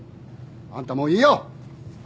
あんたもういいよ！